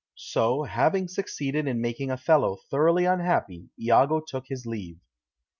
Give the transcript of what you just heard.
So, having succeeded in making Othello thoroughly unhappy, Iago took his leave.